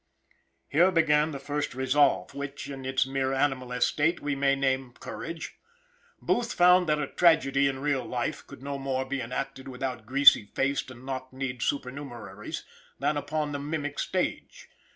Here began the first resolve, which, in its mere animal estate, we may name courage. Booth found that a tragedy in real life could no more be enacted without greasy faced and knock kneed supernumeraries than upon the mimic stage.